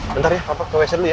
bentar ya papa ke wc dulu ya